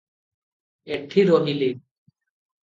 ଏଠି ରହିଲି ।